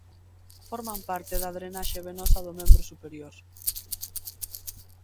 Forman parte da drenaxe venosa do membro superior.